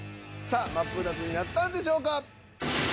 さあマップタツになったんでしょうか？